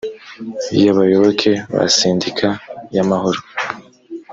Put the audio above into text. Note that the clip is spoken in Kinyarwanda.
y abayoboke ba sendika yamahoro